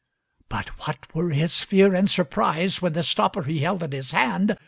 _] But what were his fear and surprise When the stopper he held in his hand!